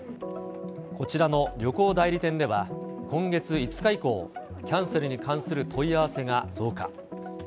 こちらの旅行代理店では、今月５日以降、キャンセルに関する問い合わせが増加。